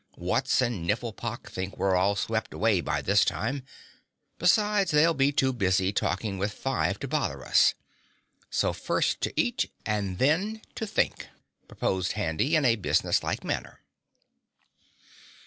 Wutz and Nifflepok think we're all swept away by this time. Besides, they'll be too busy talking with Five to bother us. So first to eat and then to think!" proposed Handy in a businesslike manner.